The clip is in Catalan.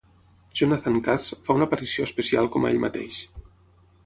Jonathan Katz fa una aparició especial com a ell mateix.